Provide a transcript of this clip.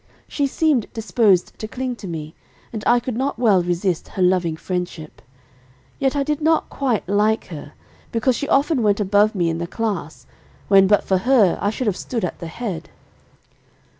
She seemed disposed to cling to me, and I could not well resist her loving friendship. Yet I did not quite like her, because she often went above me in the class, when, but for her, I should have stood at the head.